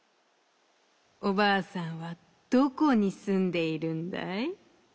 おばあさんはどこにすんでいるんだい？」。